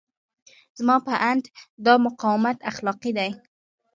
زما په اند دا مقاومت اخلاقي دی.